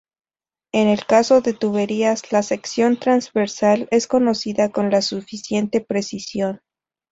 En el caso de tuberías, la sección transversal es conocida con la suficiente precisión.